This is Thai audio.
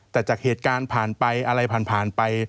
แต่จากเหตุการณ์ผ่านไปอะไรผ่านไป